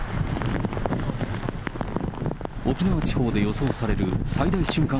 沖縄地方で予想される最大瞬間